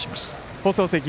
放送席